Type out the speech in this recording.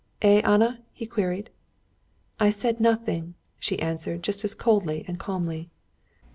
"Eh, Anna?" he queried. "I said nothing," she answered just as coldly and calmly.